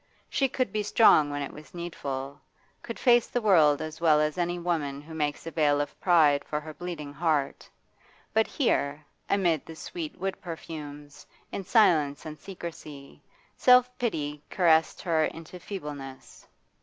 She could be strong when it was needful, could face the world as well as any woman who makes a veil of pride for her bleeding heart; but here, amid the sweet wood perfumes, in silence and secrecy, self pity caressed her into feebleness.